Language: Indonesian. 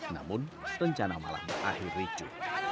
namun rencana malam akhir ricu